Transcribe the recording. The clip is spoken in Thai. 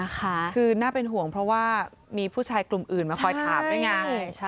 คือน่าเป็นห่วงเพราะว่ามีผู้ชายกลุ่มอื่นมาคอยถามด้วยไง